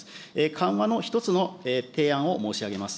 緩和の一つの提案を申し上げます。